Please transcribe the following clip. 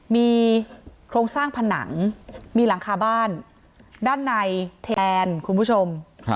มีโครงสร้างผนังมีหลังคาบ้านด้านในแทนคุณผู้ชม